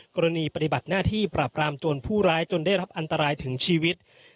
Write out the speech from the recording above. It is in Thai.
ปฏิบัติหน้าที่ปราบรามโจรผู้ร้ายจนได้รับอันตรายถึงชีวิต